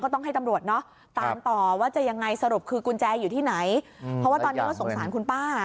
ต้องให้ตำรวจเนอะตามต่อว่าจะยังไงสรุปคือกุญแจอยู่ที่ไหนเพราะว่าตอนนี้ก็สงสารคุณป้า